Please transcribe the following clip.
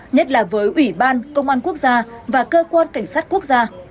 nhất là với ủy ban công an quốc gia và cơ quan cảnh sát quốc gia